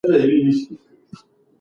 د ډلو ترمنځ دښمني مه خپروه.